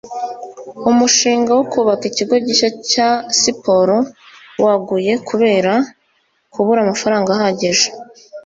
Umushinga wo kubaka ikigo gishya cya siporo waguye kubera kubura amafaranga ahagije